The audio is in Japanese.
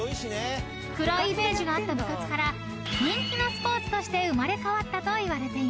［暗いイメージがあった部活から人気のスポーツとして生まれ変わったといわれています］